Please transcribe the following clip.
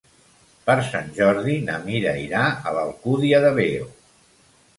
Per Sant Jordi na Mira irà a l'Alcúdia de Veo.